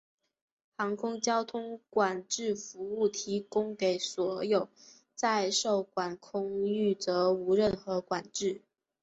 航空交通管制服务提供给所有在受管空域则无任何管制。